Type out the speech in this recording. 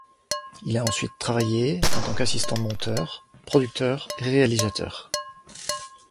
Il a ensuite travaillé en tant qu'assistant monteur, producteur et réalisateur.